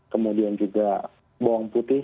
kemudian juga bawang putih